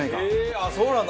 あっそうなんだ。